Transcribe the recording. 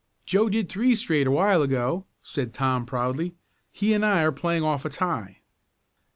"Joe did three straight a while ago," said Tom proudly. "He and I are playing off a tie."